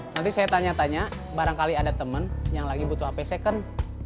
nanti saya tanya tanya barangkali ada temen yang lagi butuh hp second